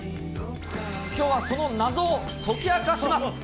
きょうはその謎を解き明かします。